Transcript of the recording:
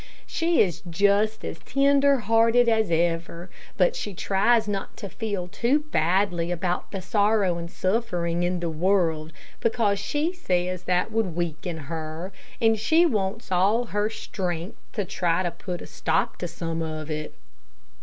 She is just as tender hearted as ever, but she tries not to feel too badly about the sorrow and suffering in the world, because she says that would weaken her, and she wants all her strength to try to put a stop to some of it.